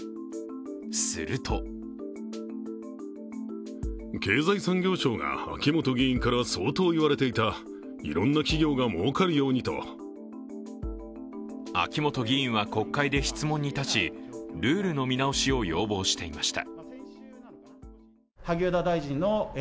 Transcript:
すると秋本議員は国会で質問に立ち、ルールの見直しを要望していました。